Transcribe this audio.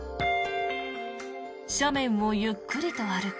斜面をゆっくりと歩く